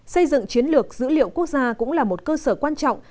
xây dựng chiến lược dữ liệu quốc gia cũng là một cơ sở quan trọng